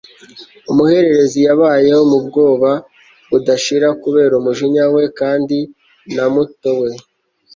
umuhererezi, yabayeho mu bwoba budashira kubera umujinya we, kandi na muto we